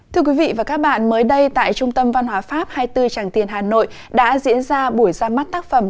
thưa quý vị và các bạn mới đây tại trung tâm văn hóa pháp hai mươi bốn tràng tiền hà nội đã diễn ra buổi ra mắt tác phẩm